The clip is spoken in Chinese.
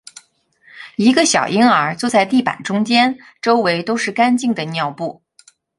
一个小婴儿坐在地板中间，周围都是干净的尿布